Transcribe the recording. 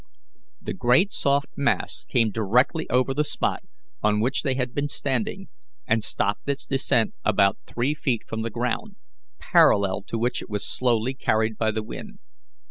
The great soft mass came directly over the spot on which they had been standing, and stopped its descent about three feet from the ground, parallel to which it was slowly carried by the wind.